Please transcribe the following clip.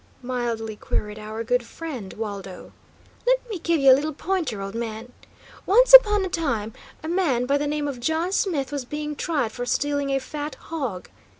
mildly queried our good friend, Waldo. "Let me give you a little pointer, old man. Once upon a time, a man by the name of John Smith was being tried for stealing a fat hog.